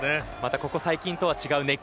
ここ最近とは違う熱気